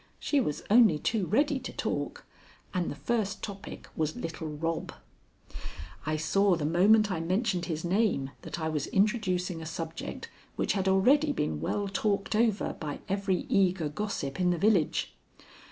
She was only too ready to talk, and the first topic was little Rob. I saw the moment I mentioned his name that I was introducing a subject which had already been well talked over by every eager gossip in the village.